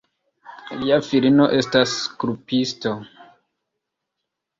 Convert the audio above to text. Lia filino estas skulptisto.